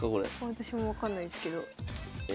私も分かんないですけど。